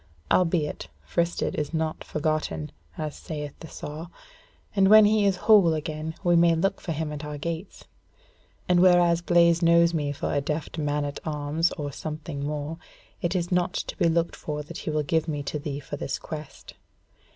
Albeit, fristed is not forgotten, as saith the saw; and when he is whole again, we may look for him at our gates; and whereas Blaise knows me for a deft man at arms or something more, it is not to be looked for that he will give me to thee for this quest.